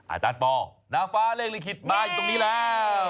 อาจารย์ปอนาฟ้าเลขลิขิตมาอยู่ตรงนี้แล้ว